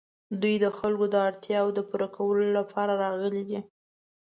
دوی د خلکو د اړتیاوو د پوره کولو لپاره راغلي دي.